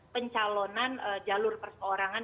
pencalonan jalur perseorangan